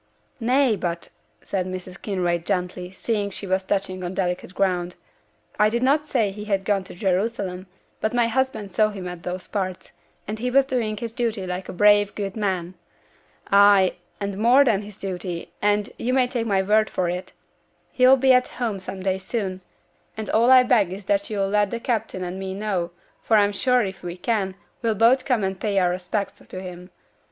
'Nay, but,' said Mrs. Kinraid, gently, seeing she was touching on delicate ground, 'I did not say he had gone to Jerusalem, but my husband saw him in those parts, and he was doing his duty like a brave, good man; ay, and more than his duty; and, you may take my word for it, he'll be at home some day soon, and all I beg is that you'll let the captain and me know, for I'm sure if we can, we'll both come and pay our respects to him.